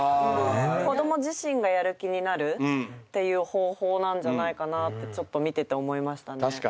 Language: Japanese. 子供自身がやる気になるっていう方法なんじゃないかなってちょっと見てて思いましたね。